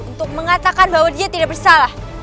untuk mengatakan bahwa dia tidak bersalah